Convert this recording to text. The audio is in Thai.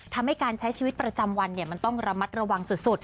ทำให้การใช้ชีวิตประจำวันมันต้องระมัดระวังสุด